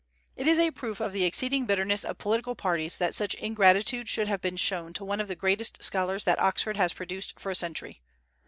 It is a proof of the exceeding bitterness of political parties that such ingratitude should have been shown to one of the greatest scholars that Oxford has produced for a century.